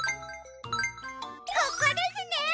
ここですね！